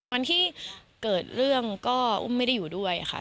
วันที่เกิดเรื่องก็อุ้มไม่ได้อยู่ด้วยค่ะ